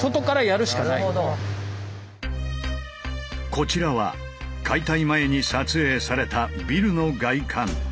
こちらは解体前に撮影されたビルの外観。